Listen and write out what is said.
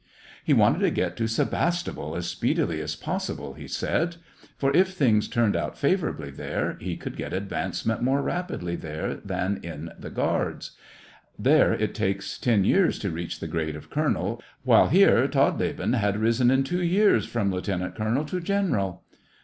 , He wanted to get to Sevastopol as speedily SEVASTOPOL IN AUGUST. 145 as possible, he said ; for if things turned out fa vorably there, he could get advancement more rap idly there than in the guards. There it takes ten years to reach the grade of colonel, while here Todleben had risen in two years from lieutenant colonel to general.